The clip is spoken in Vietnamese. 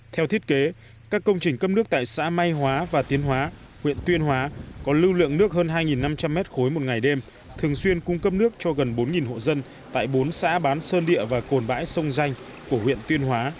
theo thiết kế các công trình cấp nước tại xã may hóa và tiên hóa huyện tuyên hóa có lưu lượng nước hơn hai năm trăm linh m ba một ngày đêm thường xuyên cung cấp nước cho gần bốn hộ dân tại bốn xã bán sơn địa và cồn bãi sông danh của huyện tuyên hóa